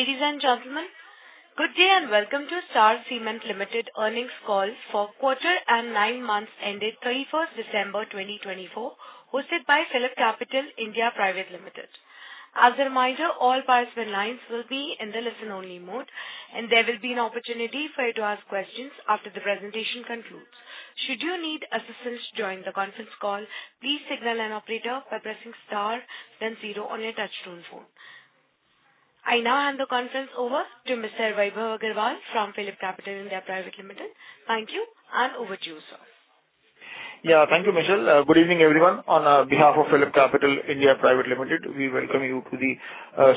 Ladies and gentlemen, good day and welcome to Star Cement Limited earnings call for quarter and nine months ended 31st December 2024, hosted by PhillipCapital India Private Limited. As a reminder, all participant lines will be in the listen-only mode, and there will be an opportunity for you to ask questions after the presentation concludes. Should you need assistance to join the conference call, please signal an operator by pressing star then zero on your touch-tone phone. I now hand the conference over to Mr. Vaibhav Agarwal from PhillipCapital India Private Limited. Thank you, and over to you, sir. Yeah, thank you, Michelle. Good evening, everyone. On behalf of PhillipCapital India Private Limited, we welcome you to the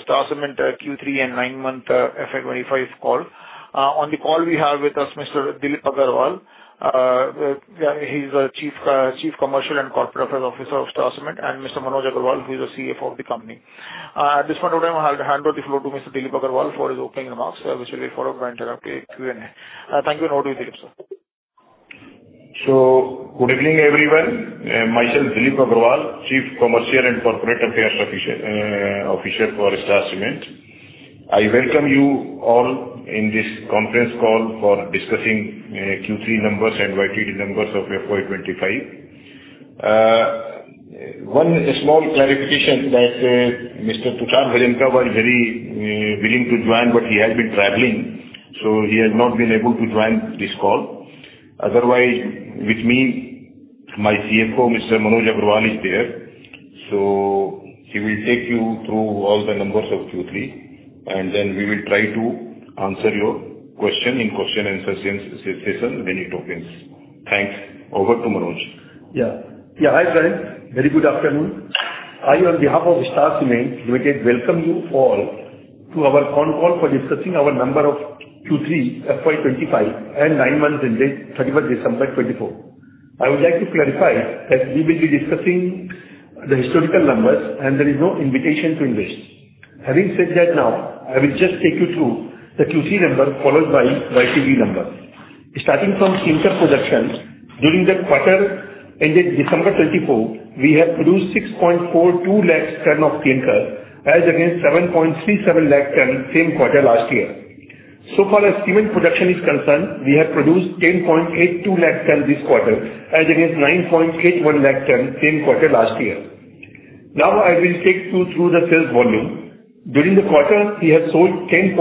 Star Cement Q3 and nine-month FY 2025 call. On the call, we have with us Mr. Dilip Agarwal. He's the Chief Commercial and Corporate Affairs Officer of Star Cement, and Mr. Manoj Agarwal, who is the CFO of the company. At this point in time, I'll hand over the floor to Mr. Dilip Agarwal for his opening remarks, which will be followed by an interactive Q&A. Thank you, and over to you, Dilip, sir. So good evening, everyone. Myself, Dilip Agarwal, Chief Commercial and Corporate Affairs Officer for Star Cement. I welcome you all in this conference call for discussing Q3 numbers and YTD numbers of FY 2025. One small clarification that Mr. Tushar Bhuraria was very willing to join, but he has been traveling, so he has not been able to join this call. Otherwise, with me, my CFO, Mr. Manoj Agarwal, is there. So he will take you through all the numbers of Q3, and then we will try to answer your questions in question-and-answer session when he talks. Thanks. Over to Manoj. Yeah, yeah, hi friends. Very good afternoon. I, on behalf of Star Cement Limited, welcome you all to our phone call for discussing our number of Q3, FY 2025, and nine months ended 31st December 2024. I would like to clarify that we will be discussing the historical numbers, and there is no invitation to invest. Having said that, now, I will just take you through the Q3 number followed by YTD number. Starting from clinker production, during the quarter ended December 2024, we have produced 6.42 lakh tons of clinker as against 7.37 lakh tons same quarter last year. So far, as cement production is concerned, we have produced 10.82 lakh tons this quarter as against 9.81 lakh tons same quarter last year. Now, I will take you through the sales volume. During the quarter, we have sold 10.60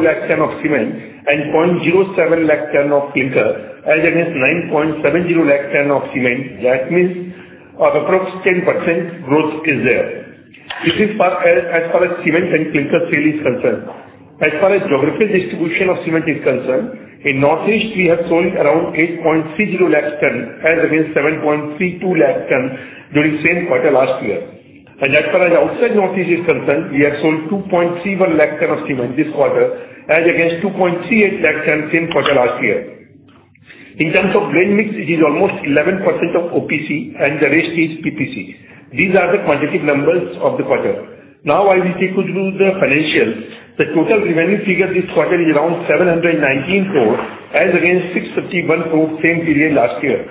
lakh tons of cement and 0.07 lakh tons of clinker as against 9.70 lakh tons of cement. That means an approximate 10% growth is there. This is as far as cement and clinker sale is concerned. As far as geographical distribution of cement is concerned, in Northeast, we have sold around 8.30 lakh tons as against 7.32 lakh tons during the same quarter last year, and as far as outside Northeast is concerned, we have sold 2.31 lakh tons of cement this quarter as against 2.38 lakh tons same quarter last year. In terms of grade mix, it is almost 11% of OPC, and the rest is PPC. These are the quantitative numbers of the quarter. Now, I will take you through the financials. The total revenue figure this quarter is around 719 crores as against 651 crores same period last year.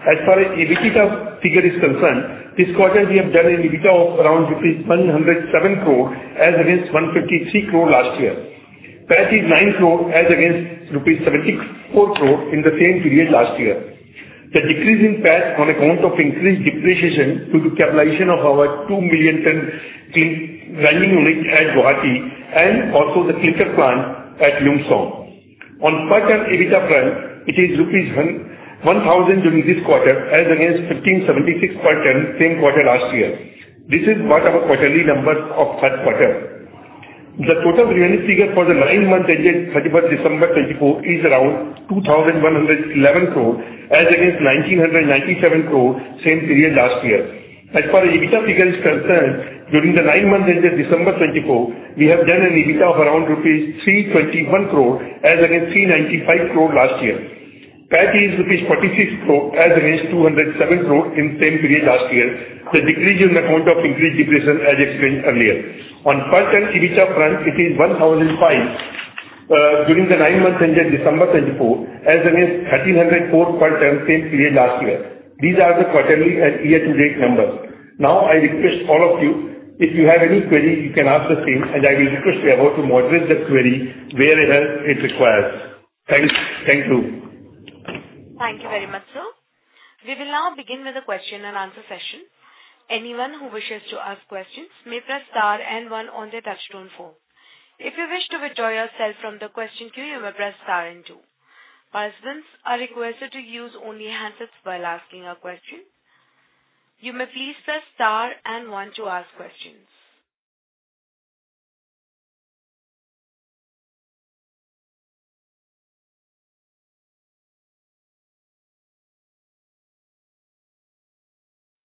As far as EBITDA figure is concerned, this quarter we have done an EBITDA of around 107 crores as against 153 crores last year. PAT is 9 crores as against 74 crores in the same period last year. The decrease in PAT on account of increased depreciation due to capitalization of our 2 million ton grinding unit at Guwahati and also the clinker plant at Lumshnong. On per ton EBITDA front, it is 1,000 during this quarter as against 1,576 per ton same quarter last year. This is what our quarterly numbers of third quarter. The total revenue figure for the nine months ended 31st December 2024 is around 2,111 crores as against 1,997 crores same period last year. As far as EBITDA figure is concerned, during the nine months ended December 2024, we have done an EBITDA of around 321 crores as against 395 crores last year. PAT is 46 crores as against 207 crores in the same period last year. The decrease is on account of increased depreciation as explained earlier. On per ton EBITDA front, it is 1,005 during the nine months ended December 2024 as against 1,304 per ton same period last year. These are the quarterly and year-to-date numbers. Now, I request all of you, if you have any queries, you can ask the same, and I will request Vaibhav to moderate the query where it requires. Thanks. Thank you. Thank you very much, sir. We will now begin with the question-and-answer session. Anyone who wishes to ask questions may press star and one on the touch-tone phone. If you wish to withdraw yourself from the question queue, you may press star and two. Participants are requested to use only handsets while asking a question. You may please press star and one to ask questions.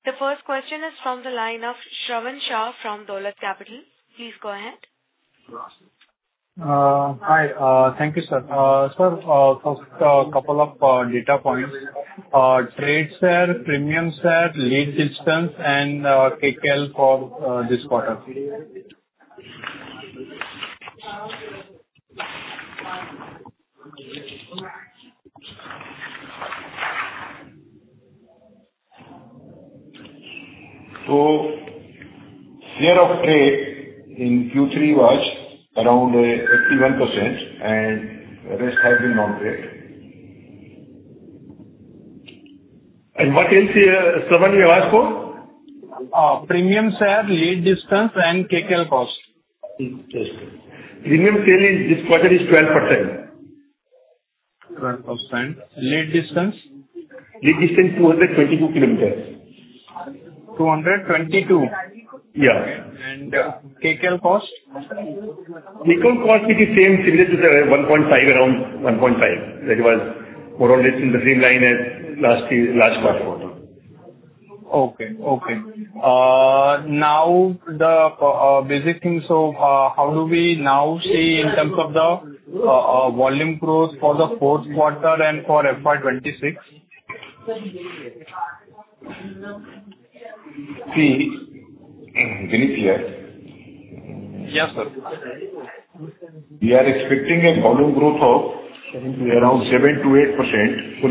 The first question is from the line of Shravan Shah from Dolat Capital. Please go ahead. Hi. Thank you, sir. Sir, first, a couple of data points. Trade share, premium share, lead distance, and Kcal for this quarter, so share of trade in Q3 was around 81%, and the rest has been non-trade. What else did Shravan ask for? Premium share, lead distance, and Kcal cost. Premium share this quarter is 12%. 12%. Lead distance? Lead distance 222 km. 222? Yeah. Kcal cost? Kcal cost is the same, similar to the 1.5, around 1.5. That was more or less in the same line as last quarter. Okay. Now, the basic things of how do we now see in terms of the volume growth for the fourth quarter and for FY 2026? See, Dilip, yes. Yes, sir. We are expecting a volume growth of around 7%-8% for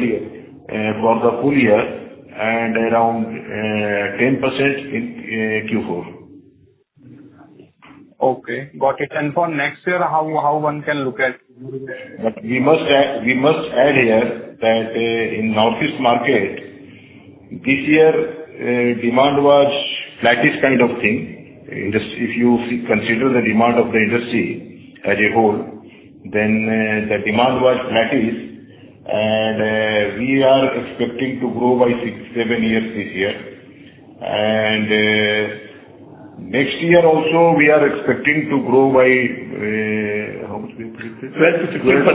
the full year and around 10% in Q4. Okay. Got it, and for next year, how one can look at? But we must add here that in Northeast market, this year, demand was flat-ish kind of thing. If you consider the demand of the industry as a whole, then the demand was flat-ish, and we are expecting to grow by 6%-7% this year. And next year also, we are expecting to grow by 12%-15%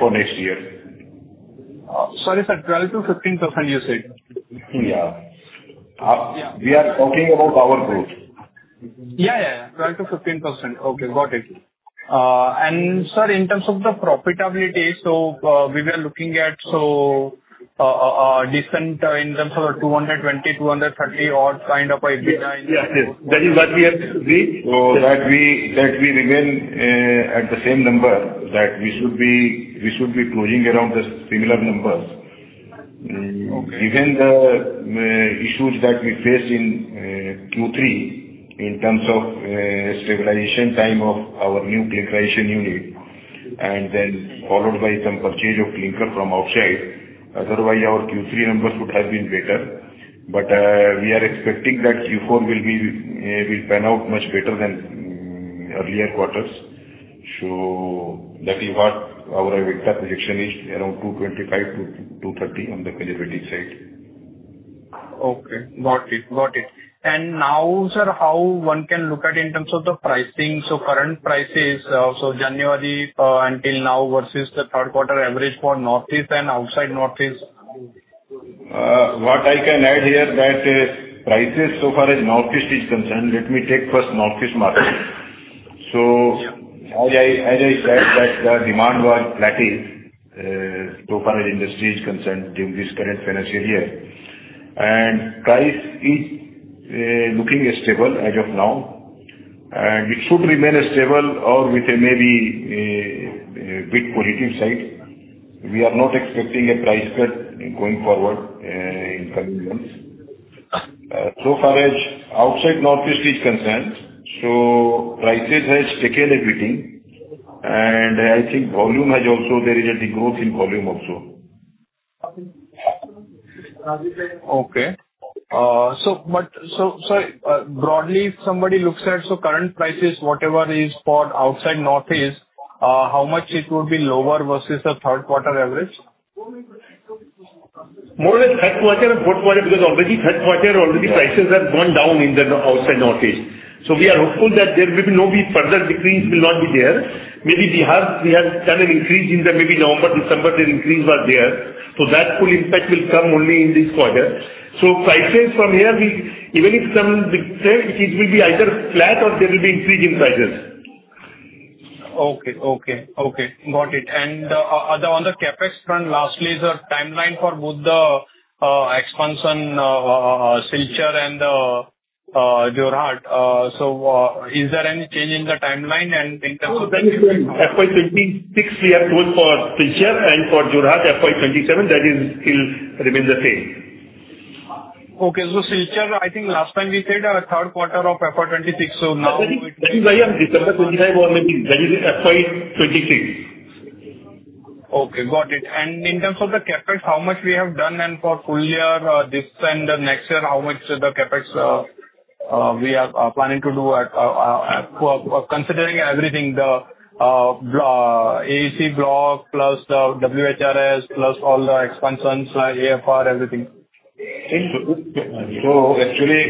for next year. Sorry, sir, 12%-15%, you said? Yeah. We are talking about our growth. Yeah, yeah, yeah. 12%-15%. Okay. Got it. And sir, in terms of the profitability, so we were looking at so decent in terms of 220-230 odd kind of EBITDA in. Yes, yes. That is what we have seen. So that we remain at the same number, that we should be closing around the similar numbers. Given the issues that we faced in Q3 in terms of stabilization time of our new clinkerization unit, and then followed by some purchase of clinker from outside. Otherwise, our Q3 numbers would have been better. But we are expecting that Q4 will pan out much better than earlier quarters. So that is what our EBITDA projection is, around 225-230 on the conservative side. Okay. Got it. Got it. And now, sir, how one can look at in terms of the pricing, so current prices, so January until now versus the third quarter average for Northeast and outside Northeast? What I can add here that prices so far as Northeast is concerned. Let me take first Northeast market, so as I said, that the demand was flat-ish so far as industry is concerned during this current financial year, and price is looking stable as of now, and it should remain stable or with maybe a bit positive side. We are not expecting a price cut going forward in coming months, so far as outside Northeast is concerned, prices have taken a beating, and I think volume has also, there is a degrowth in volume also. Okay, so broadly, if somebody looks at current prices, whatever is for outside Northeast, how much it would be lower versus the third quarter average? More or less third quarter and fourth quarter, because already third quarter, already prices have gone down in the outside Northeast. So we are hopeful that there will be no further decrease will not be there. Maybe we have done an increase in the maybe November, December, the increase was there. So that full impact will come only in this quarter. So prices from here, even if some decrease, it will be either flat or there will be increase in prices. Okay. Got it. And on the CapEx front, lastly, sir, timeline for both the expansion, Silchar, and Jorhat, so is there any change in the timeline and in terms of? No, that is fine. FY 2026, we have growth for Silchar and for Jorhat, FY 2027, that is still remain the same. Okay. So Silchar, I think last time we said third quarter of FY 2026. So now. That is, I mean, December 2025 or maybe that is FY 2026. Okay. Got it. And in terms of the CapEx, how much we have done and for full year this and next year, how much the CapEx we are planning to do considering everything, the AAC block plus the WHRS plus all the expansions, AFR, everything? Actually,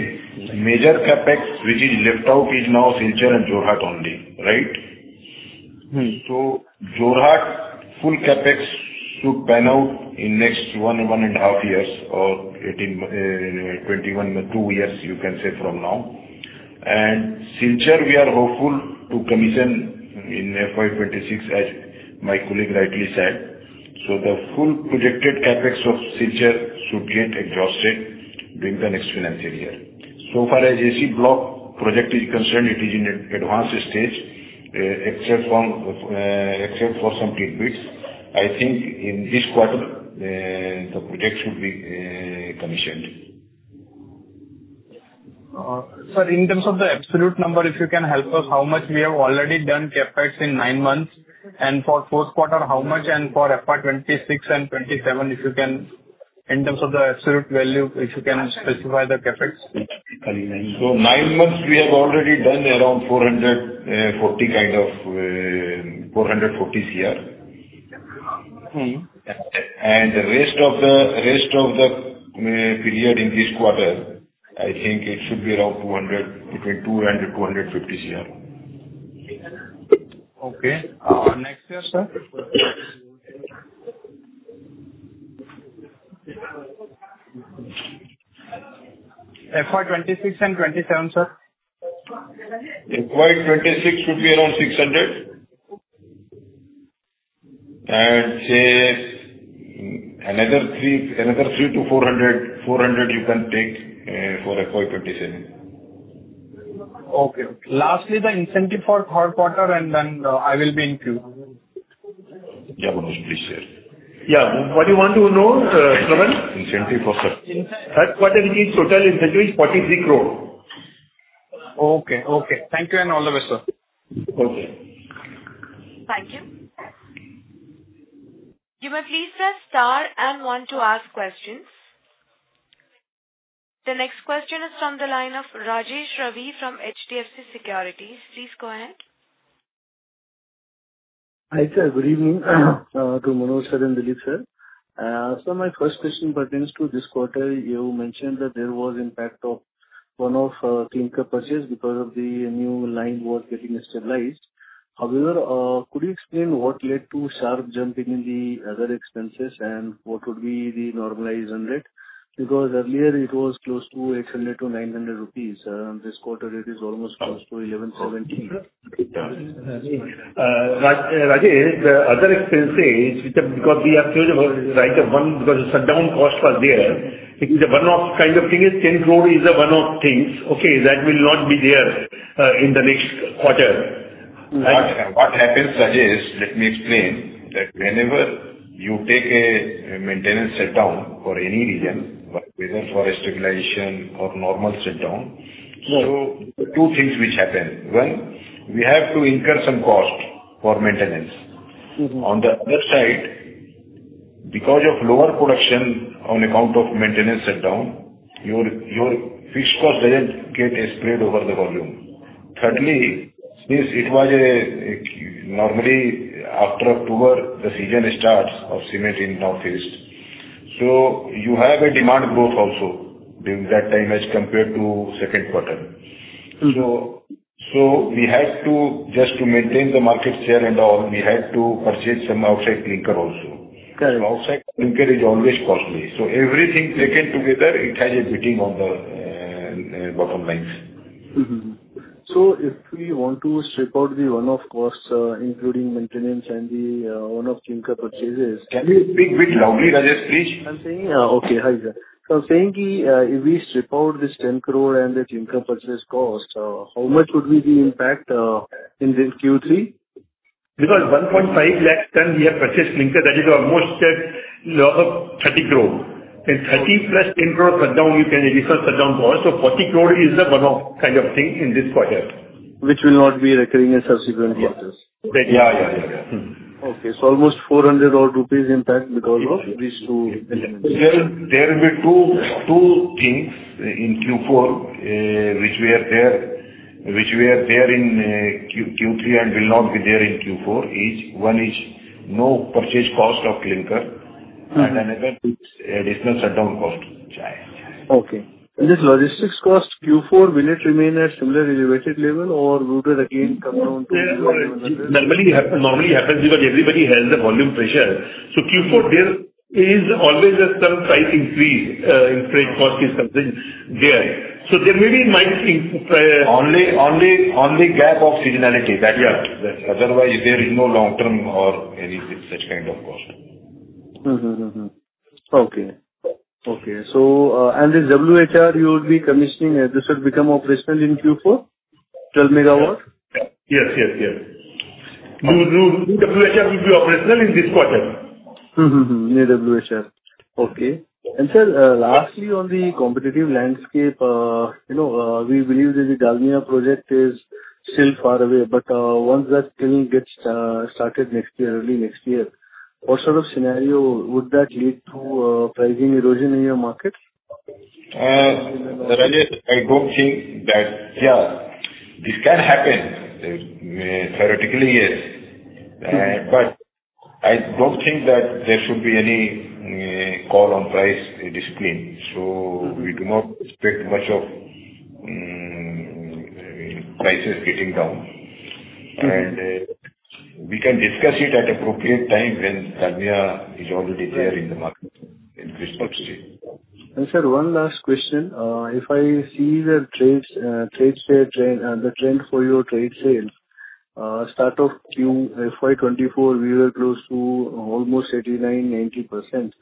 major CapEx which is left out is now Silchar and Jorhat only, right? Jorhat full CapEx should pan out in next one and a half years or 2.1 to 2 years, you can say from now. Silchar, we are hopeful to commission in FY 2026, as my colleague rightly said. The full projected CapEx of Silchar should get exhausted during the next financial year. So far as AAC block project is concerned, it is in advanced stage, except for some trade bits. I think in this quarter, the project should be commissioned. Sir, in terms of the absolute number, if you can help us, how much we have already done CapEx in nine months? And for fourth quarter, how much? And for FY 2026 and FY 2027, if you can, in terms of the absolute value, if you can specify the CapEx? Nine months, we have already done around 440 crore. The rest of the period in this quarter, I think it should be around between 200 crore to 250 crore. Okay. Next year, sir? FY 2026 and 2027, sir? FY 2026 should be around 600, and say another three to 400 you can take for FY 2027. Okay. Lastly, the incentive for third quarter, and then I will be in queue. What do you want to know, Shravan? Incentive for third quarter. Third quarter total incentive is 43 crore. Okay. Okay. Thank you and all the best, sir. Okay. Thank you. You may please press star and one to ask questions. The next question is from the line of Rajesh Ravi from HDFC Securities. Please go ahead. Hi sir, good evening to Manoj sir and Dilip sir. My first question pertains to this quarter. You mentioned that there was impact of one-off clinker purchase because of the new line was getting stabilized. However, could you explain what led to sharp jumping in the other expenses and what would be the normalized rate? Because earlier, it was close to 800-900 rupees. This quarter, it is almost close to 1,170. Rajesh, the other expenses because we have to write off one because the shutdown cost was there. The one-off kind of thing is 10 crores is the one-off things. Okay, that will not be there in the next quarter. What happens, Rajesh, let me explain that whenever you take a maintenance shutdown for any reason, whether for a stabilization or normal shutdown, so two things which happen. One, we have to incur some cost for maintenance. On the other side, because of lower production on account of maintenance shutdown, your fixed cost doesn't get spread over the volume. Thirdly, since it was normally after October, the season starts of cement in Northeast. You have a demand growth also during that time as compared to second quarter. We have to just to maintain the market share and all, we had to purchase some outside clinker also. So outside clinker is always costly. So everything taken together, it has a bearing on the bottom line. So if we want to strip out the one-off costs, including maintenance and the one-off clinker purchases. Can you speak a bit loudly, Rajesh, please? I'm saying, okay. Hi, sir. So I'm saying if we strip out this 10 crore and the clinker purchase cost, how much would be the impact in Q3? Because 1.5 lakh ton we have purchased clinker, that is almost 30 crore. And 30+ 10 crore shutdown, you can additional shutdown cost. So 40 crore is the one-off kind of thing in this quarter. Which will not be recurring in subsequent quarters. Yeah, yeah, yeah, yeah. Okay. So almost 400 odd rupees impact because of these two elements. There will be two things in Q4 which we are there in Q3 and will not be there in Q4. One is no purchase cost of clinker and another is additional shutdown cost. Okay. And this logistics cost, Q4, will it remain at similar elevated level or will it again come down to? Normally happens because everybody has the volume pressure. So Q4, there is always a slight increase in trade cost is concerned there. So there maybe. Only gap of seasonality. That's it. Otherwise, there is no long-term or any such kind of cost. Okay. So this WHRS you would be commissioning. This would become operational in Q4? 12 MW? Yes, yes, yes. New WHR will be operational in this quarter. New WHR. Okay. And sir, lastly, on the competitive landscape, we believe that the Dalmia project is still far away. But once that kiln gets started early next year, what sort of scenario would that lead to pricing erosion in your market? Rajesh, I don't think that this can happen. Theoretically, yes. But I don't think that there should be any call on price discipline. So we do not expect much of prices getting down. And we can discuss it at appropriate time when Dalmia is already there in the market. And sir, one last question. If I see the trade share trend, the trend for your trade sales, start of Q, FY 2024, we were close to almost 89%-90%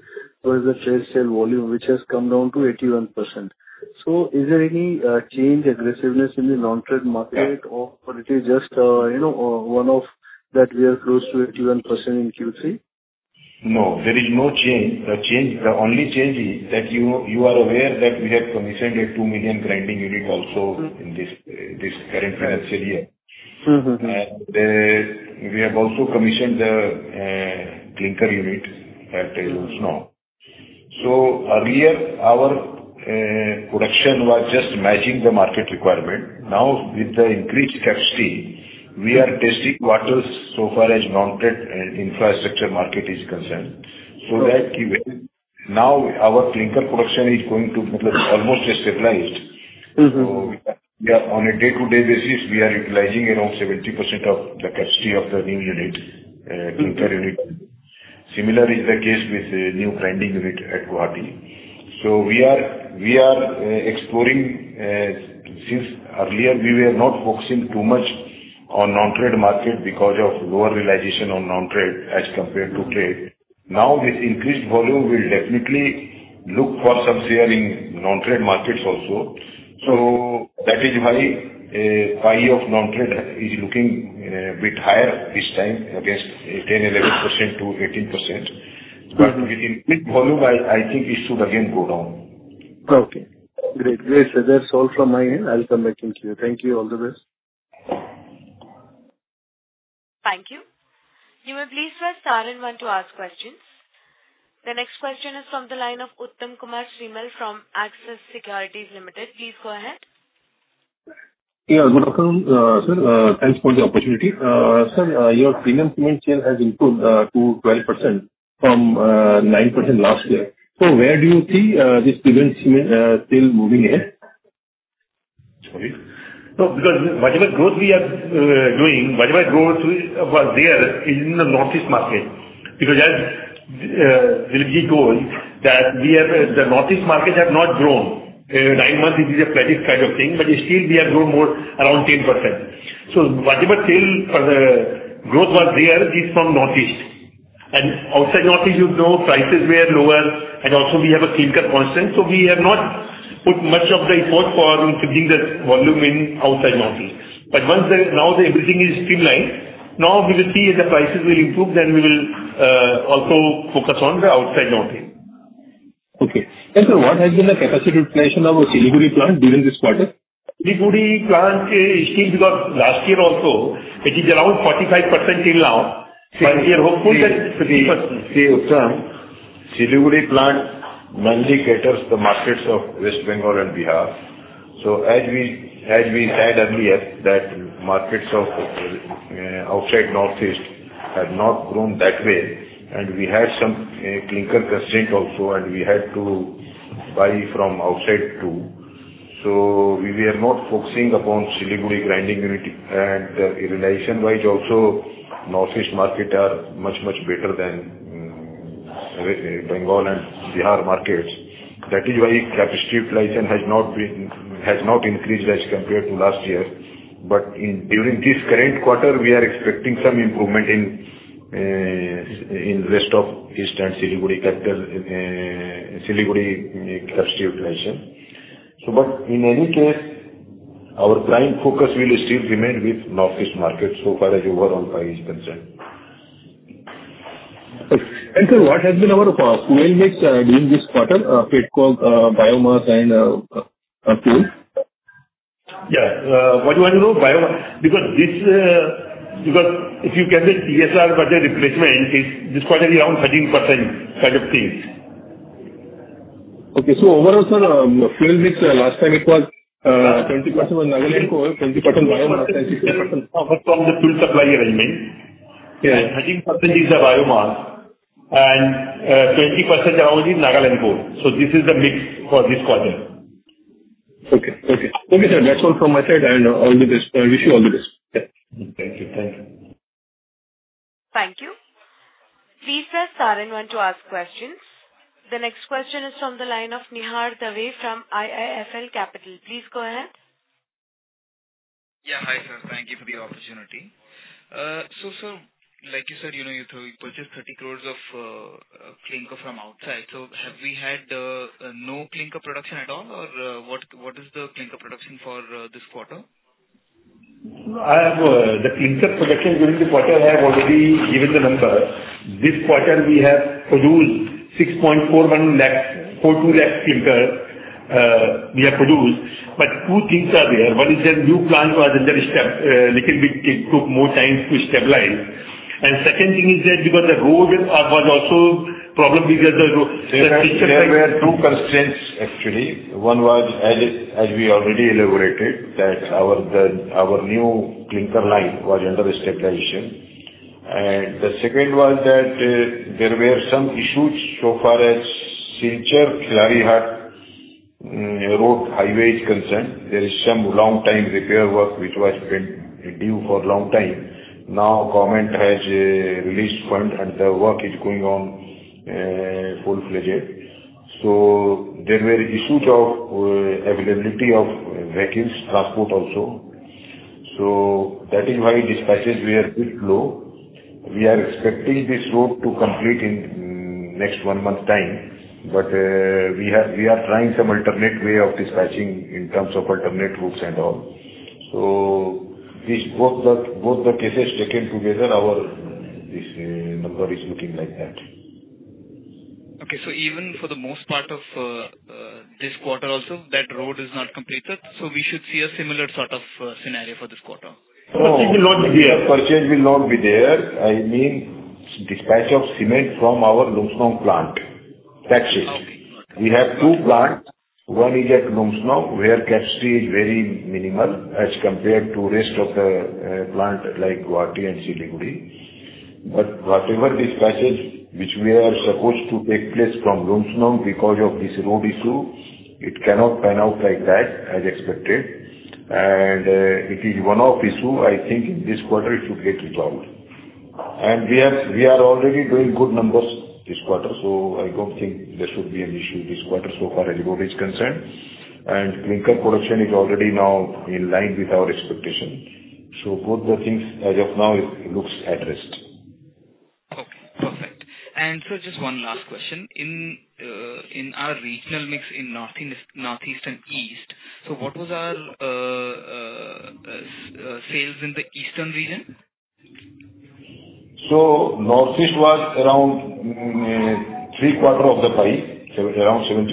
was the trade sale volume, which has come down to 81%. So is there any change, aggressiveness in the non-trade market, or it is just one-off that we are close to 81% in Q3? No, there is no change. The only change is that you are aware that we have commissioned a 2 million grinding unit also in this current financial year. And we have also commissioned the clinker unit at Lumshnong. So earlier, our production was just matching the market requirement. Now, with the increased capacity, we are testing the waters so far as non-trade infrastructure market is concerned. So that now our clinker production is going to almost stabilized. So on a day-to-day basis, we are utilizing around 70% of the capacity of the new unit, clinker unit. Similar is the case with the new grinding unit at Guwahati. So we are exploring. Since earlier, we were not focusing too much on non-trade market because of lower realization on non-trade as compared to trade. Now, with increased volume, we'll definitely look for some share in non-trade markets also. So that is why the pie of non-trade is looking a bit higher this time against 10%-11% to 18%. But with increased volume, I think it should again go down. Okay. Great. Great, sir. That's all from my end. I'll come back to you. Thank you. All the best. Thank you. You may please press star and one to ask questions. The next question is from the line of Uttam Kumar Srimal from Axis Securities Limited. Please go ahead. Yeah, good afternoon, sir. Thanks for the opportunity. Sir, your premium cement share has improved to 12% from 9% last year. So where do you see this premium cement still moving ahead? Sorry. No, because whatever growth we are doing, whatever growth was there is in the Northeast market. Because as Dilipji told, that the Northeast market has not grown. Nine months, it is a flat kind of thing. But still, we have grown more around 10%. So whatever sale for the growth was there, it's from Northeast. And outside Northeast, you know, prices were lower. And also, we have a clinker constraint. So we have not put much of the effort for improving the volume in outside Northeast. But now that everything is streamlined, now we will see if the prices will improve, then we will also focus on the outside Northeast. Okay, and sir, what has been the capacity replacement of the Siliguri plant during this quarter? Siliguri plant is still because last year also, it is around 45% till now, so we are hopeful that. Okay. Sir, Uttam, Siliguri plant mainly caters the markets of West Bengal and Bihar. So as we said earlier, that markets of outside Northeast have not grown that way. And we had some clinker constraint also, and we had to buy from outside too. So we were not focusing upon Siliguri grinding unit. And the realization-wise also, Northeast market are much, much better than Bengal and Bihar markets. That is why capacity utilization has not increased as compared to last year. But during this current quarter, we are expecting some improvement in rest of East and Siliguri capacity utilization. But in any case, our prime focus will still remain with Northeast market so far as overall price is concerned. And sir, what has been our main mix during this quarter, petcoke, biomass, and fuel? Yeah. What do you want to know? Because if you can say TSR for the replacement, it's this quarter around 13% kind of thing. Okay. So overall, sir, fuel mix last time it was 20% Nagaland coal, 20% biomass, and 60%. From the fuel supply arrangement, 13% is the biomass, and around 20% is Nagaland coal. So this is the mix for this quarter. Okay, sir. That's all from my side, and all the best. I wish you all the best. Thank you. Thank you. Thank you. Please press star and one to ask questions. The next question is from the line of Nihar Dave from IIFL Securities. Please go ahead. Yeah. Hi, sir. Thank you for the opportunity. So, sir, like you said, you purchased 30 crores of clinker from outside. So have we had no clinker production at all, or what is the clinker production for this quarter? The clinker production during the quarter, I have already given the number. This quarter, we have produced 6.41 lakh, 42 lakh clinker we have produced. But two things are there. One is that new plant was under a little bit took more time to stabilize, and second thing is that because the road was also a problem because the. There were two constraints, actually. One was, as we already elaborated, that our new clinker line was under stabilization. And the second was that there were some issues so far as Silchar, Khliehriat, road, highway is concerned. There is some long-time repair work which was due for a long time. Now, government has released funds, and the work is going on full-fledged. So there were issues of availability of vehicles, transport also. So that is why dispatches were a bit low. We are expecting this road to complete in the next one month's time. But we are trying some alternate way of dispatching in terms of alternate routes and all. So both the cases taken together, our number is looking like that. Okay. So even for the most part of this quarter also, that road is not completed. So we should see a similar sort of scenario for this quarter. Purchase will not be there. Purchase will not be there. I mean, dispatch of cement from our Lumshnong plant. That's it. We have two plants. One is at Lumshnong, where capacity is very minimal as compared to the rest of the plant like Guwahati and Siliguri. But whatever dispatches which we are supposed to take place from Lumshnong because of this road issue, it cannot pan out like that as expected. It is one-off issue. I think in this quarter, it should get resolved. We are already doing good numbers this quarter. I don't think there should be an issue this quarter so far as road is concerned. Clinker production is already now in line with our expectation. Both the things, as of now, it looks at rest. Okay. Perfect. And sir, just one last question. In our regional mix in Northeast and East, so what was our sales in the Eastern region? So Northeast was around three-quarters of the sales, around 75%.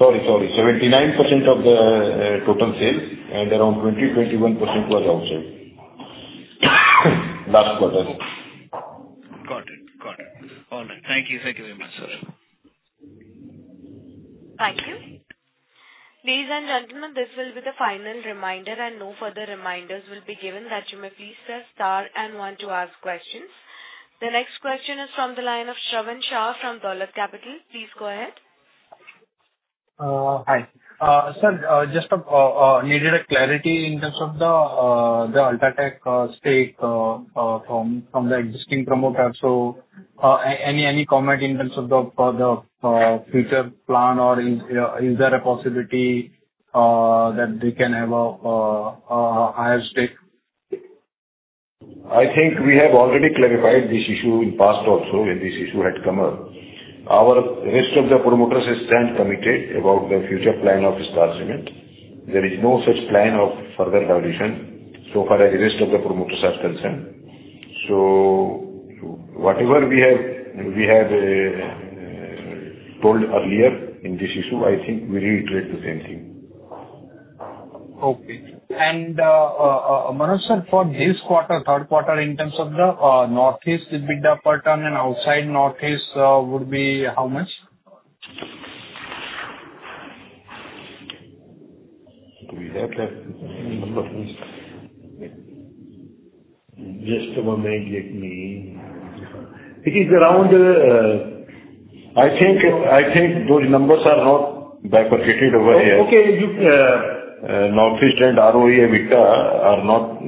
Sorry. 79% of the total sales, and around 20%-21% was outside last quarter. Got it. Got it. All right. Thank you, sir. Thank you very much, sir. Thank you. Ladies and gentlemen, this will be the final reminder, and no further reminders will be given. That you may please press star and one to ask questions. The next question is from the line of Shravan Shah from Dolat Capital. Please go ahead. Hi. Sir, just needed a clarity in terms of the UltraTech stake from the existing promoter. So any comment in terms of the future plan, or is there a possibility that they can have a higher stake? I think we have already clarified this issue in past also when this issue had come up. Our rest of the promoters are stand committed about the future plan of Star Cement. There is no such plan of further evolution so far as the rest of the promoters are concerned. So whatever we have told earlier in this issue, I think we reiterate the same thing. Okay. And Manoj, sir, for this quarter, third quarter in terms of the Northeast, it would be the per ton, and outside Northeast would be how much? Do we have that number, please? Just a moment, let me. It is around. I think those numbers are not bifurcated over here. Okay. You. Northeast and ROE EBITDA are not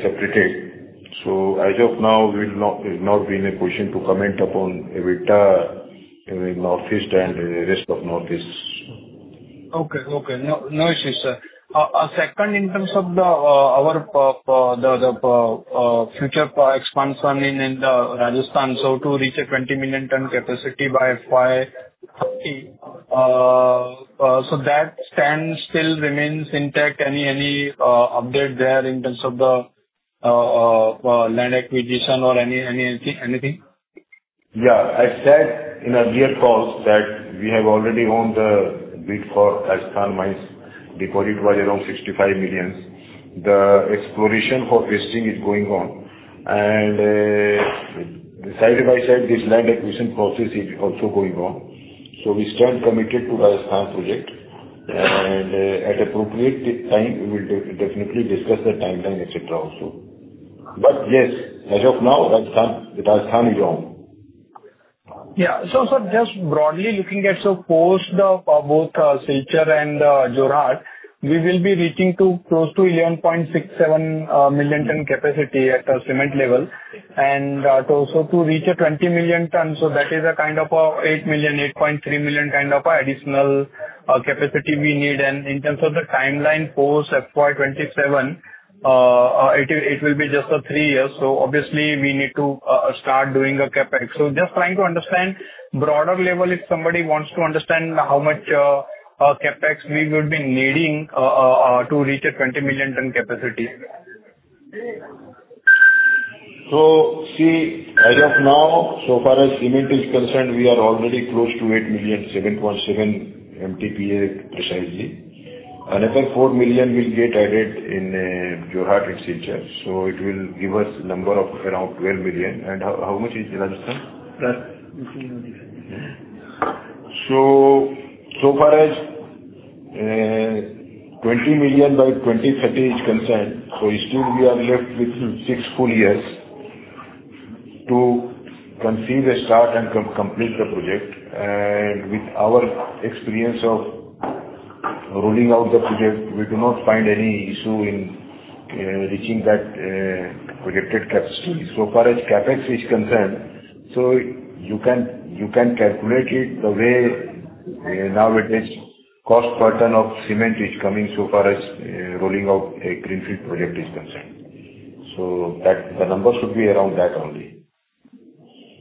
separated, so as of now, we will not be in a position to comment upon EBITDA in Northeast and rest of East. Okay. Okay. No issues, sir. Second, in terms of our future expansion in Rajasthan, so to reach a 20 million ton capacity by FY 2030, so that stance still remains intact. Any update there in terms of the land acquisition or anything? Yeah. I said in an earlier call that we have already won the bid for Rajasthan mines. The deposit was around 65 million. The exploration for testing is going on, and side by side, this land acquisition process is also going on, so we stand committed to the Rajasthan project, and at appropriate time, we will definitely discuss the timeline, etc. also, but yes, as of now, Rajasthan is on. Yeah. So, sir, just broadly looking at, so post both Silchar and Jorhat, we will be reaching close to 11.67 million ton capacity at the cement level. And also to reach a 20 million ton, so that is a kind of 8 million, 8.3 million kind of additional capacity we need. And in terms of the timeline post FY 2027, it will be just three years. So obviously, we need to start doing a CapEx. So just trying to understand broader level, if somebody wants to understand how much CapEx we would be needing to reach a 20 million ton capacity. So, see, as of now, so far as cement is concerned, we are already close to 8 million, 7.7 MTPA precisely. Another 4 million will get added in Jorhat and Silchar. So it will give us a number of around 12 million. And how much is Rajasthan? So, so far as 20 million by 2030 is concerned, so still we are left with six full years to conceive a start and complete the project. And with our experience of rolling out the project, we do not find any issue in reaching that projected capacity. So far as CapEx is concerned, so you can calculate it the way nowadays cost per ton of cement is coming so far as rolling out a greenfield project is concerned. So the number should be around that only.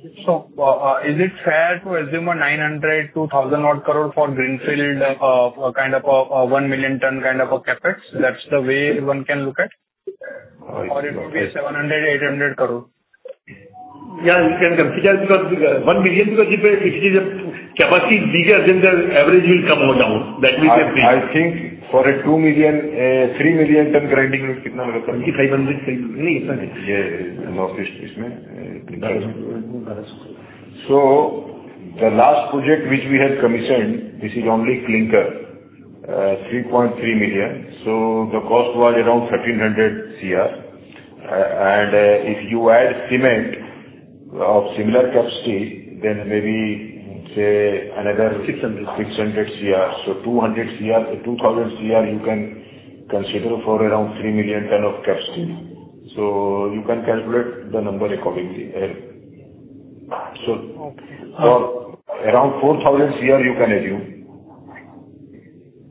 Is it fair to assume 900-1,000-odd crore for greenfield, kind of a 1 million ton kind of a CapEx? That's the way one can look at? Or it would be 700 crore-800 crore? Yeah, you can consider because one million because if it is a capacity bigger, then the average will come down. That will be a price. I think for a 2 million, 3 million ton grinding is kind of. 2500, 3000. No, it's not it. Yeah, Northeast isn't it? So the last project which we have commissioned, this is only clinker, 3.3 million. So the cost was around 1,300 crore. And if you add cement of similar capacity, then maybe say another. 600. 600 crore. So 200 crore., 2,000 crore., you can consider for around 3 million ton of capacity. So you can calculate the number accordingly. So around 4,000 crore., you can assume.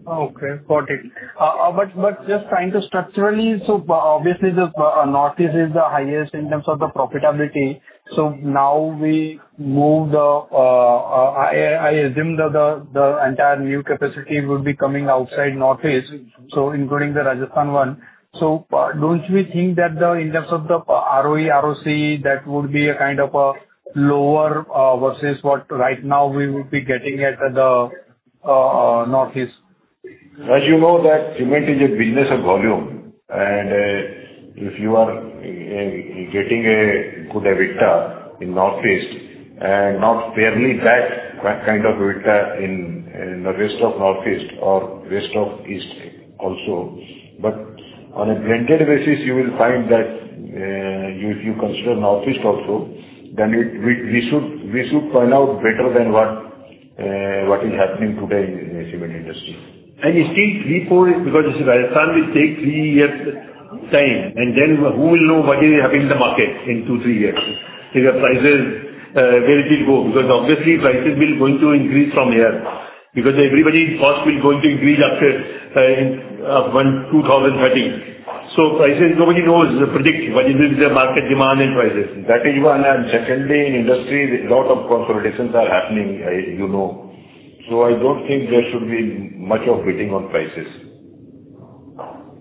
Okay. Got it. But just trying to structurally, so obviously, Northeast is the highest in terms of the profitability. So now we moved. I assume the entire new capacity would be coming outside Northeast, so including the Rajasthan one. So don't you think that in terms of the ROE, ROC, that would be a kind of a lower versus what right now we would be getting at the Northeast? As you know, that cement is a business of volume. And if you are getting a good EBITDA in Northeast and not barely that kind of EBITDA in the rest of Northeast or rest of East also. But on a blended basis, you will find that if you consider Northeast also, then we should point out better than what is happening today in the cement industry. And you see, because Rajasthan will take three years time, and then who will know what will happen in the market in two, three years? The prices, where it will go? Because obviously, prices will going to increase from here because everybody's cost will going to increase after 2030. So nobody knows predict what is the market demand and prices. That is one. And secondly, in industry, a lot of consolidations are happening. I don't think there should be much of bidding on prices.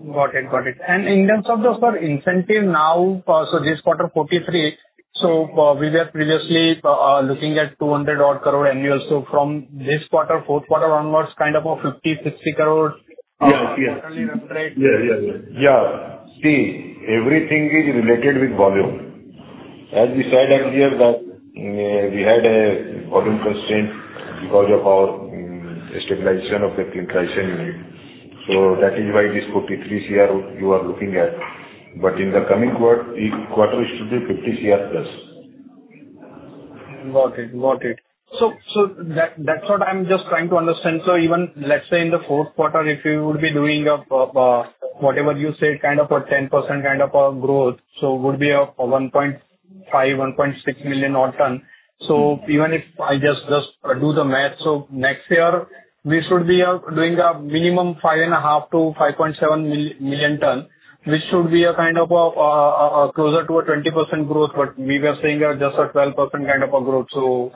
Got it. Got it. And in terms of the incentive now, so this quarter 43, so we were previously looking at 200 odd crore annual. So from this quarter, fourth quarter onwards, kind of a 50 crore-60 crore. Yes. Yes. Currently leveled right? See, everything is related with volume. As we said earlier, that we had a volume constraint because of our stabilization of the clinker issue. So that is why this 43 crore you are looking at. But in the coming quarter, it should be 50+ crore. Got it. Got it. So that's what I'm just trying to understand. So even let's say in the fourth quarter, if you would be doing whatever you said, kind of a 10% kind of a growth, so would be a 1.5 million-1.6 million odd tonne. So even if I just do the math, so next year, we should be doing a minimum 5.5 million-5.7 million tonne, which should be a kind of a closer to a 20% growth. But we were saying just a 12% kind of a growth, so.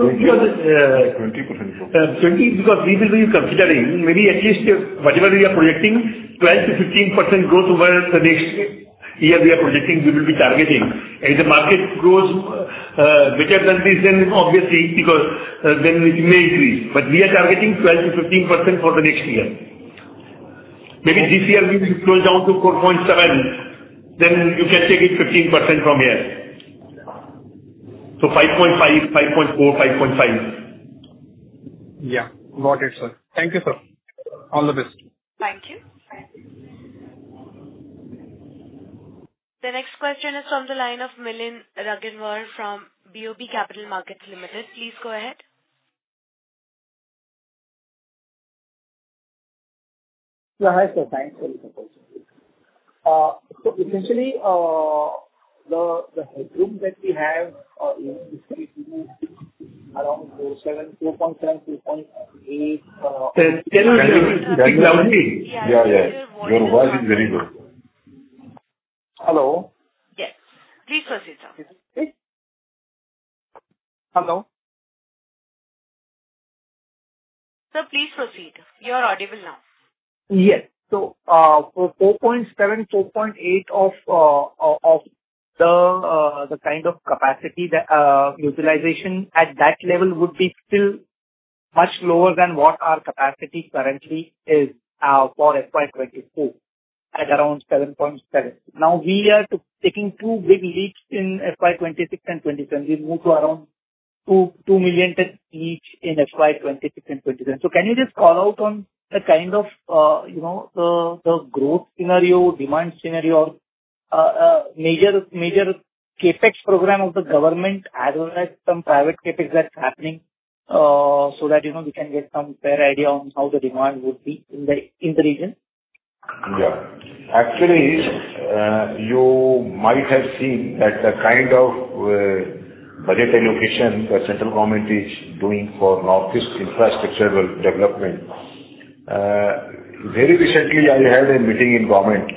20% growth. 20 because we will be considering maybe at least whatever we are projecting, 12%-15% growth over the next year we are projecting, we will be targeting. If the market grows better than this, then obviously, because then it may increase. But we are targeting 12%-15% for the next year. Maybe this year we will close down to 4.7, then you can take it 15% from here. So 5.5, 5.4, 5.5. Yeah. Got it, sir. Thank you, sir. All the best. Thank you. The next question is from the line of Milind Raginwar from BOB Capital Markets Limited. Please go ahead. Yeah. Hi, sir. Thanks for the question. So essentially, the headroom that we have is around 4.7, 4.8. Can you hear me? Yeah. Yeah. Your voice is very good. Hello? Yes. Please proceed, sir. Hello? Sir, please proceed. You are audible now. Yes. So 4.7, 4.8 of the kind of capacity utilization at that level would be still much lower than what our capacity currently is for FY 2024 at around 7.7. Now we are taking two big leaps in FY 2026 and 2027. We move to around 2 million each in FY 2026 and 2027. So can you just call out on the kind of the growth scenario, demand scenario, major CapEx program of the government as well as some private CapEx that's happening so that we can get some fair idea on how the demand would be in the region? Yeah. Actually, you might have seen that the kind of budget allocation the central government is doing for Northeast infrastructure development. Very recently, I had a meeting in government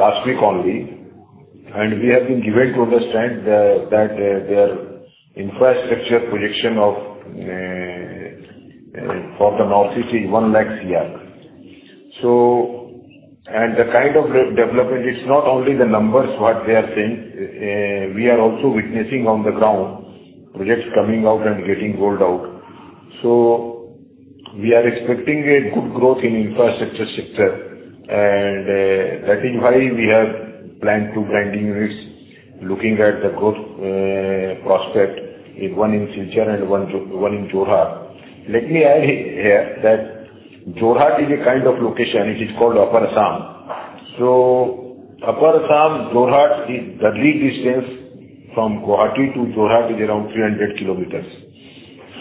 last week only, and we have been given to understand that their infrastructure projection for the Northeast is 1 lakh crore. And the kind of development, it's not only the numbers what they are saying. We are also witnessing on the ground projects coming out and getting rolled out. So we are expecting a good growth in the infrastructure sector. And that is why we have planned two grinding units looking at the growth prospect in one in Silchar and one in Jorhat. Let me add here that Jorhat is a kind of location. It is called Upper Assam. So Upper Assam, Jorhat is the lead distance from Guwahati to Jorhat is around 300 km.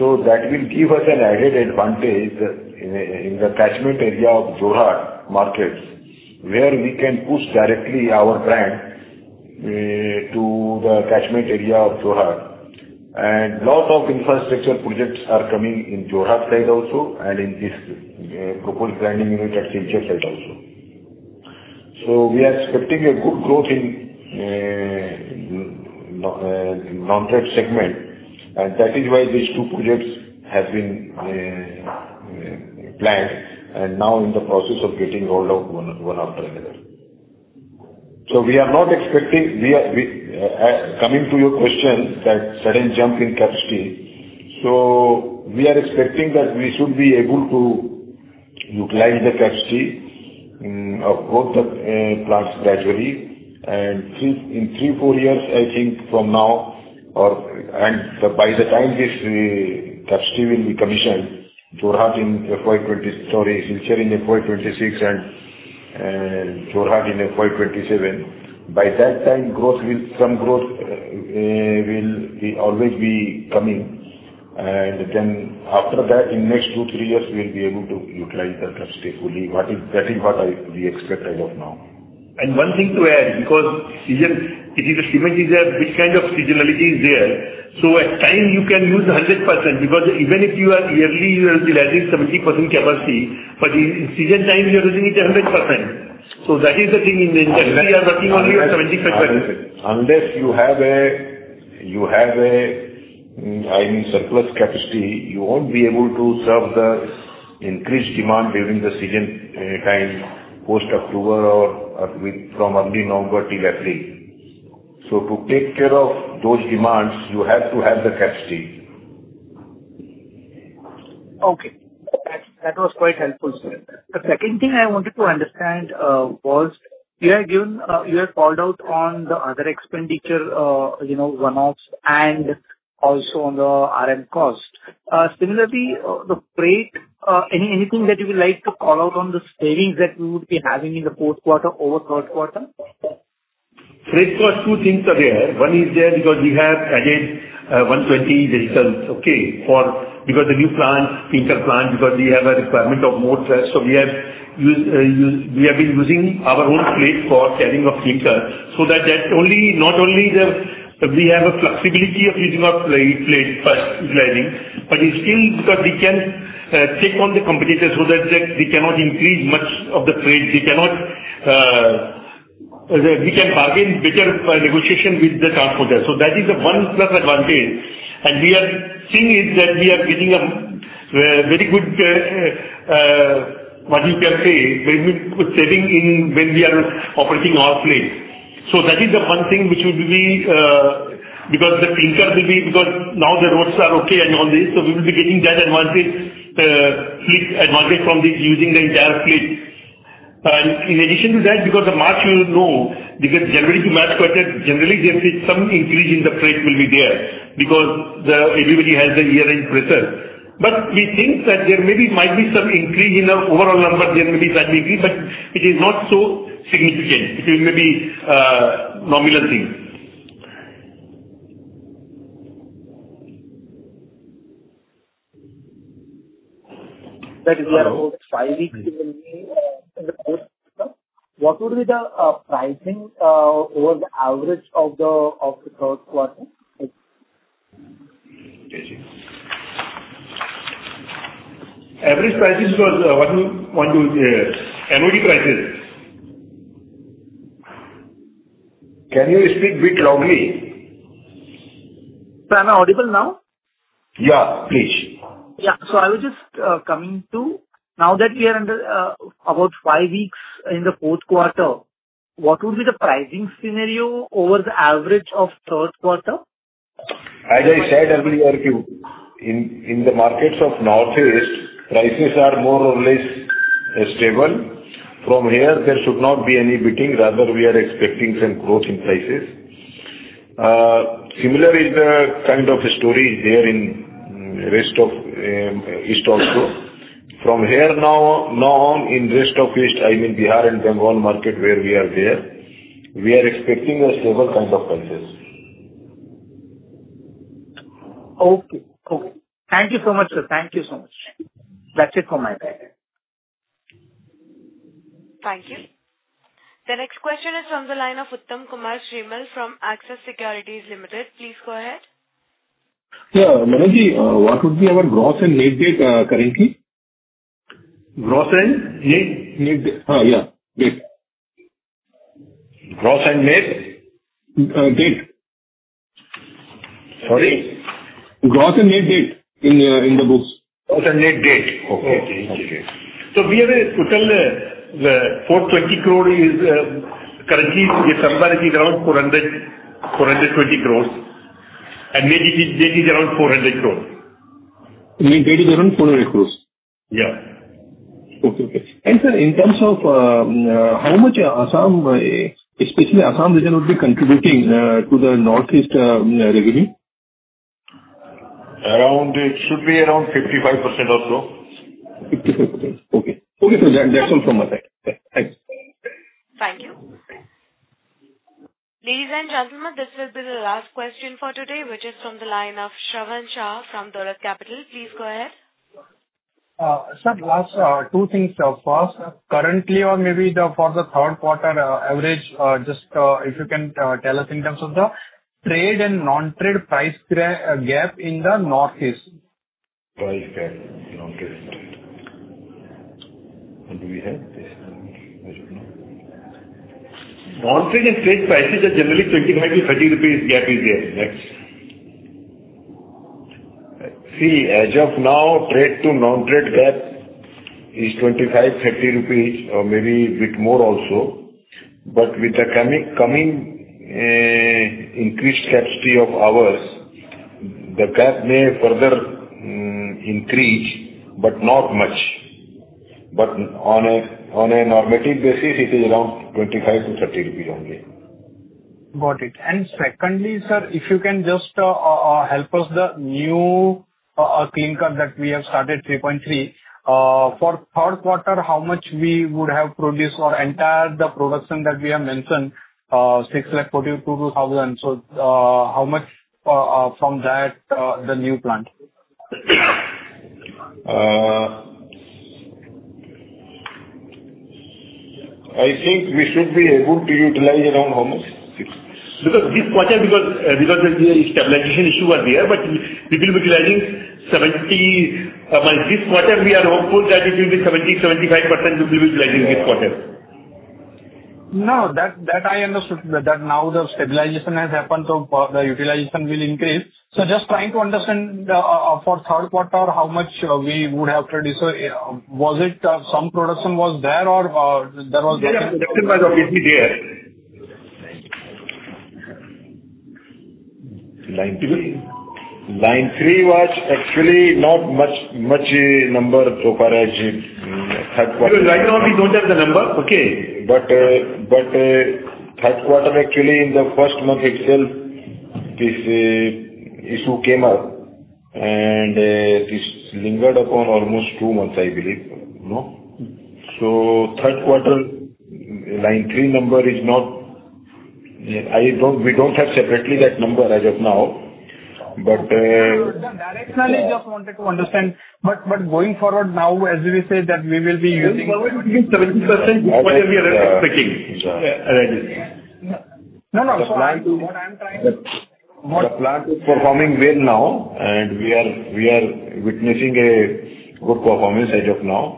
That will give us an added advantage in the catchment area of Jorhat markets where we can push directly our brand to the catchment area of Jorhat. Lots of infrastructure projects are coming in Jorhat side also and in this proposed grinding unit at Silchar side also. We are expecting a good growth in the non-trade segment. That is why these two projects have been planned and now in the process of getting rolled out one after another. We are not expecting, coming to your question, that sudden jump in capacity. We are expecting that we should be able to utilize the capacity of both the plants gradually. And in three, four years, I think from now, and by the time this capacity will be commissioned, Jorhat in FY 2023, Silchar in FY 2026, and Jorhat in FY 2027, by that time, some growth will always be coming. And then after that, in next two, three years, we'll be able to utilize the capacity fully. That is what we expect as of now. And one thing to add because it is a cement is a big kind of seasonality is there. So at time, you can use 100% because even if you are yearly, you are utilizing 70% capacity, but in season time, you are using it 100%. So that is the thing in the industry. We are working only on 75%. Unless you have a, I mean, surplus capacity, you won't be able to serve the increased demand during the season time post October or from early November till April. To take care of those demands, you have to have the capacity. Okay. That was quite helpful, sir. The second thing I wanted to understand was you had called out on the other expenditure runoffs and also on the RM cost. Similarly, the freight, anything that you would like to call out on the savings that we would be having in the fourth quarter over third quarter? Freight cost, two things are there. One is there because we have added 120 vehicles, okay, because the new plants, clinker plants, because we have a requirement of more trucks. So we have been using our own fleet for carrying of clinker so that not only do we have a flexibility of using our fleet first utilizing, but it's still because we can take on the competitors so that they cannot increase much of the freight. We can bargain better negotiation with the transporter. So that is the one plus advantage. And the other thing is that we are getting a very good, what you can say, saving when we are operating all fleets. So that is the one thing which will be because the clinker will be because now the roads are okay and all this. We will be getting that advantage from this using the entire plant. And in addition to that, because the March, you know, because generally the March quarter, generally there is some increase in the freight because everybody has the year-end pressure. But we think that there might be some increase in the overall number. There may be a slight increase, but it is not so significant. It may be a nominal thing. That is what I heard. Five weeks will be in the fourth quarter. What would be the pricing over the average of the third quarter? Average prices was 120 MOP prices. Can you speak a bit loudly? Sir, I'm audible now? Yeah. Please. Yeah, so I was just coming to now that we are under about five weeks in the fourth quarter, what would be the pricing scenario over the average of third quarter? As I said earlier, in the markets of Northeast, prices are more or less stable. From here, there should not be any bleeding. Rather, we are expecting some growth in prices. Similar is the kind of story there in rest of East also. From here now on, in rest of East, I mean Bihar and Bengal market where we are there, we are expecting a stable kind of prices. Okay. Okay. Thank you so much, sir. Thank you so much. That's it from my side. Thank you. The next question is from the line of Uttam Kumar Srimal from Axis Securities Limited. Please go ahead. Yeah. Manoj, what would be our gross and net debt currently? Gross and net? Yeah. Date? Gross and net? Date. Sorry? Gross and net debt in the books. Gross and net debt. So we have a total 420 crore is currently the summary is around 420 crores. And net debt is around 400 crores. Net debt is around 400 crores? Yeah. And sir, in terms of how much Assam, especially Assam region, would be contributing to the Northeast revenue? It should be around 55% or so. 55%. Okay. Okay. So that's all from my side. Thanks. Thank you. Ladies and gentlemen, this will be the last question for today, which is from the line of Shravan Shah from Dolat Capital. Please go ahead. Sir, last two things. First, currently or maybe for the third quarter average, just if you can tell us in terms of the trade and non-trade price gap in the Northeast? Price gap, non-trade and trade. And do we have this? I don't know. Northeast and trade prices are generally 25-30 rupees gap is there. Next. See, as of now, trade to non-trade gap is 25-30 rupees or maybe a bit more also. But with the coming increased capacity of ours, the gap may further increase, but not much. But on a normative basis, it is around INR 25-INR 30 only. Got it. And secondly, sir, if you can just help us the new clinker that we have started 3.3, for third quarter, how much we would have produced or entire the production that we have mentioned, 642,000. So how much from that, the new plant? I think we should be able to utilize around how much? Because this quarter, because the stabilization issue was there, but we will be utilizing 70% by this quarter. We are hopeful that it will be 70%-75%. We will be utilizing this quarter. No, that I understood that now the stabilization has happened, so the utilization will increase. So just trying to understand for third quarter, how much we would have produced, was it some production was there or there was nothing? Yeah. Production was obviously there. Line 3 was actually not much number so far as third quarter. Right now, we don't have the number. Okay. But third quarter, actually, in the first month itself, this issue came up, and this lingered upon almost two months, I believe. So third quarter, line 3 number is not. We don't have separately that number as of now. But. I just wanted to understand, but going forward now, as we say that we will be using. 70% is what we are expecting. No, no, so what I'm trying to. The plant is performing well now, and we are witnessing a good performance as of now.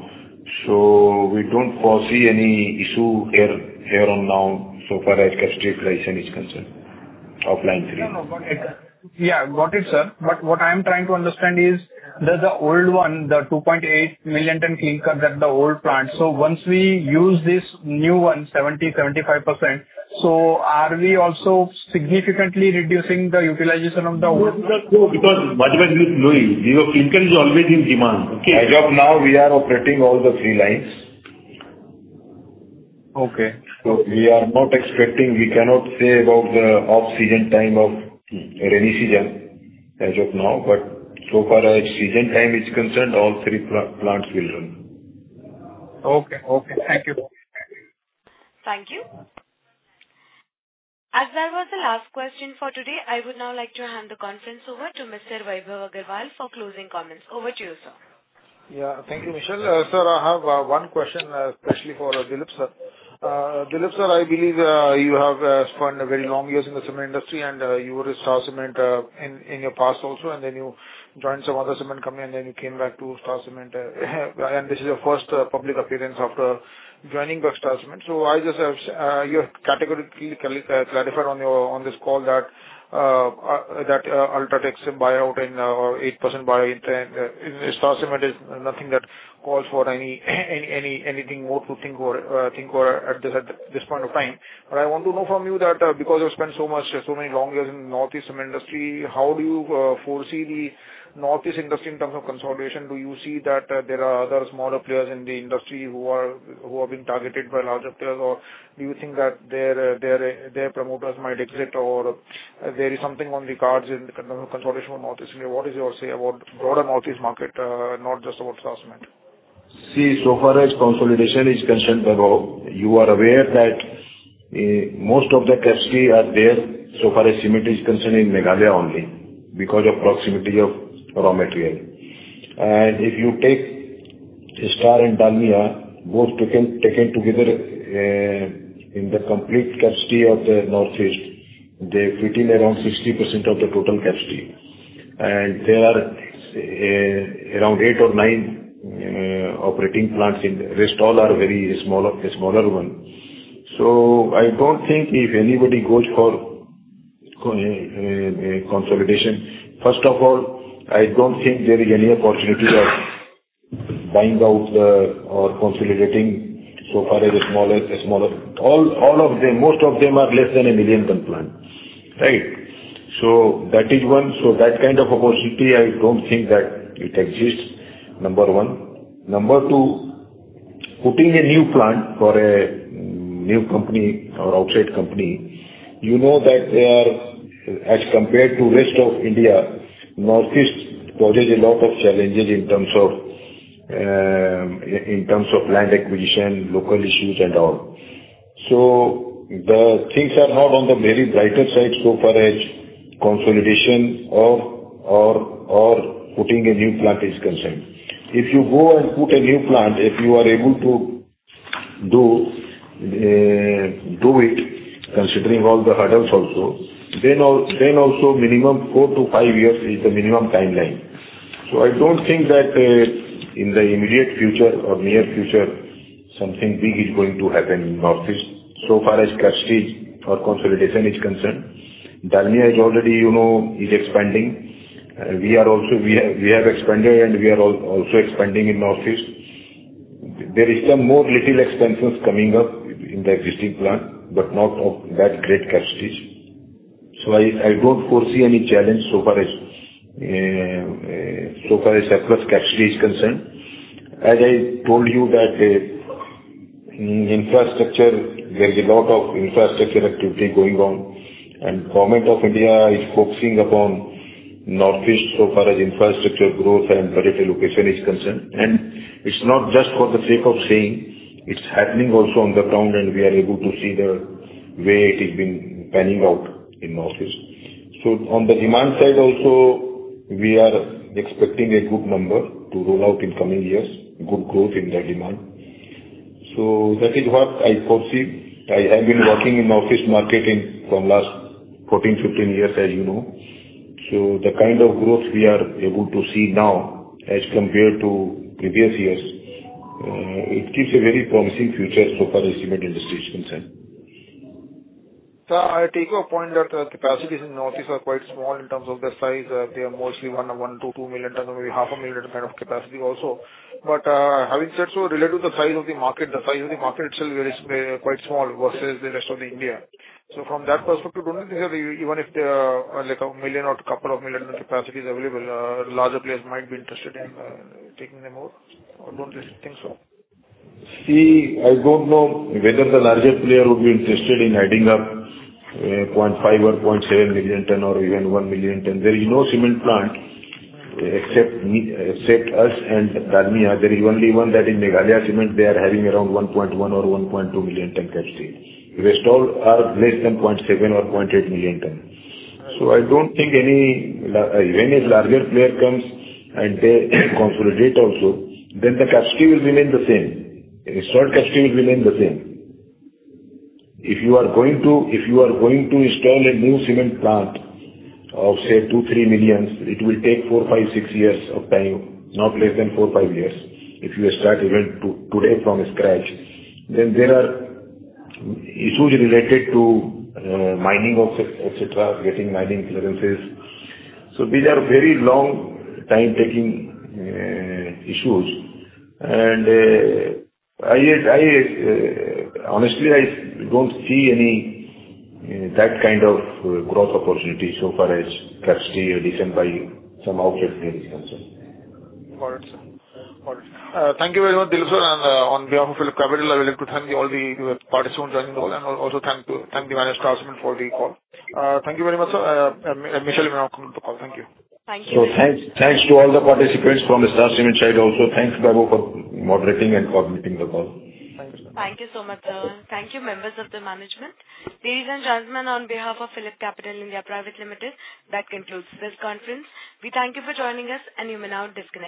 So we don't foresee any issue here on now so far as capacity utilization is concerned of line 3. Yeah. Got it, sir. But what I'm trying to understand is the old one, the 2.8 million ton clinker that the old plant. So once we use this new one, 70%-75%, so are we also significantly reducing the utilization of the old one? No, because what you are just knowing, your clinker is always in demand. Okay. As of now, we are operating all the three lines. Okay. So, we are not expecting. We cannot say about the off-season time of rainy season as of now, but so far as season time is concerned, all three plants will run. Okay. Okay. Thank you. Thank you. As that was the last question for today, I would now like to hand the conference over to Mr. Vaibhav Agarwal for closing comments. Over to you, sir. Yeah. Thank you, Michelle. Sir, I have one question, especially for Dilip sir. Dilip sir, I believe you have spent a very long year in the cement industry, and you were with Star Cement in your past also, and then you joined some other cement company, and then you came back to Star Cement. And this is your first public appearance after joining Star Cement. So I just have you categorically clarified on this call that UltraTech's buyout or 8% buyout in Star Cement is nothing that calls for anything more to think or address at this point of time. But I want to know from you that because you have spent so many long years in the Northeast cement industry, how do you foresee the Northeast industry in terms of consolidation? Do you see that there are other smaller players in the industry who are being targeted by larger players, or do you think that their promoters might exit, or there is something on the cards in terms of consolidation for Northeast? What is your say about broader Northeast market, not just about Star Cement? As far as consolidation is concerned, you are aware that most of the capacity is there. As far as cement is concerned, in Meghalaya only, because of proximity of raw material. And if you take Star and Dalmia, both taken together in the complete capacity of the Northeast, they fit in around 60% of the total capacity. And there are around eight or nine operating plants in the rest. All are very small ones. So I don't think if anybody goes for consolidation, first of all, I don't think there is any opportunity of buying out or consolidating so far as the smaller. Most of them are less than a million-ton plant. Right? So that is one. So that kind of opportunity, I don't think that it exists, Number 1. Number 2, putting a new plant for a new company or outside company, you know that they are, as compared to rest of India, Northeast poses a lot of challenges in terms of land acquisition, local issues, and all. So the things are not on the very brighter side so far as consolidation or putting a new plant is concerned. If you go and put a new plant, if you are able to do it, considering all the hurdles also, then also minimum four to five years is the minimum timeline. So I don't think that in the immediate future or near future, something big is going to happen in Northeast so far as capacity or consolidation is concerned. Dalmia is already expanding. We have expanded, and we are also expanding in Northeast. There are some more little expansions coming up in the existing plant, but not of that great capacity. So I don't foresee any challenge so far as surplus capacity is concerned. As I told you that infrastructure, there is a lot of infrastructure activity going on, and Government of India is focusing upon Northeast so far as infrastructure growth and better location is concerned. And it's not just for the sake of saying; it's happening also on the ground, and we are able to see the way it has been panning out in Northeast. So on the demand side also, we are expecting a good number to roll out in coming years, good growth in the demand. So that is what I foresee. I have been working in Northeast market for the last 14, 15 years, as you know. So the kind of growth we are able to see now as compared to previous years, it gives a very promising future so far as cement industry is concerned. Sir, I take your point that the capacities in Northeast are quite small in terms of the size. They are mostly 1 million to 2 million tons, maybe 500,000-ton kind of capacity also. But having said so, related to the size of the market, the size of the market itself is quite small versus the rest of India. So from that perspective, don't you think that even if there are a million or a couple of million capacities available, larger players might be interested in taking them over? Or don't you think so? See, I don't know whether the larger player would be interested in adding up 0.5 or 0.7 million ton or even 1 million ton. There is no cement plant except us and Dalmia. There is only one that in Meghalaya Cements, they are having around 1.1 or 1.2 million ton capacity. The rest all are less than 0.7 or 0.8 million ton. So I don't think any when a larger player comes and they consolidate also, then the capacity will remain the same. The installed capacity will remain the same. If you are going to install a new cement plant of, say, 2, 3 millions, it will take 4, 5, 6 years of time, not less than 4, 5 years. If you start even today from scratch, then there are issues related to mining, etc., getting mining clearances. So these are very long-time-taking issues. Honestly, I don't see any that kind of growth opportunity so far as capacity is decreased by some outlets that is concerned. Got it, sir. Got it. Thank you very much, Dilip sir. And on behalf of PhillipCapital, I would like to thank all the participants joining the call and also thank the management of Star Cement for the call. Thank you very much, sir. Michelle, you may now come on the call. Thank you. Thank you. So thanks to all the participants from the Star Cement side also. Thanks, Vaibhav, for moderating and coordinating the call. Thank you, sir. Thank you so much, sir. Thank you, members of the management. Ladies and gentlemen, on behalf of PhillipCapital India Private Limited, that concludes this conference. We thank you for joining us, and you may now disconnect.